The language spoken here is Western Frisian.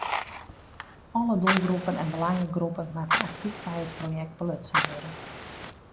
Alle doelgroepen en belangegroepen moatte aktyf by it projekt belutsen wurde.